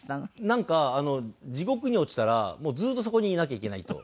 なんか地獄に落ちたらもうずっとそこにいなきゃいけないと。